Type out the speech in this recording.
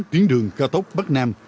tuyến đường cao tốc bắc nam